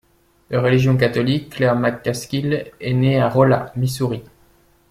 De religion catholique, Claire McCaskill est née à Rolla, Missouri.